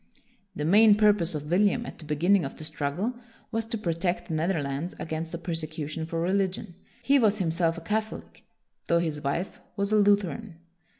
1 The main purpose of William at the beginning of the struggle was to protect the Netherlands against a persecution for religion. He was himself a Catholic, though his wife was a Lutheran.